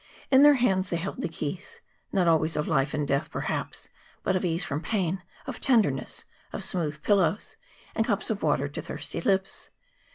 In their hands they held the keys, not always of life and death perhaps, but of ease from pain, of tenderness, of smooth pillows, and cups of water to thirsty lips.